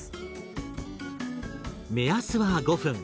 目安は５分。